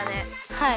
はい。